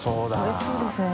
おいしいですね。